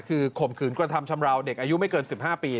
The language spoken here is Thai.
คือข่มขืนกระทำชำราวเด็กอายุไม่เกิน๑๕ปี